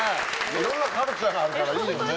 いろんなカルチャーがあるからいいよね。